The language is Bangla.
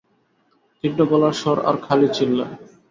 তীক্ষ্ণ গলার স্বর আর খালি চিল্লায়।